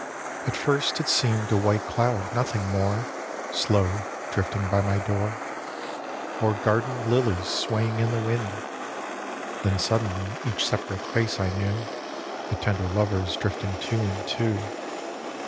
At first it seemed a white doud, nothing more. Slow drifting by my door, Or gardened lilies swaying in the wind ; Then suddenly each separate face I knew, The tender lovers drifting two and two.